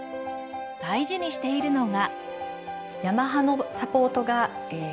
大事にしているのが。